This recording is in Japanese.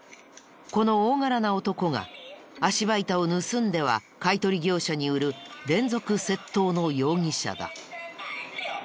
この大柄な男が足場板を盗んでは買取業者に売る連続窃盗の容疑者だ。